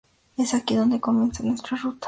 Es aquí donde comienza nuestra ruta.